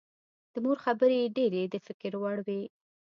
د مور خبرې یې ډېرې د فکر وړ وې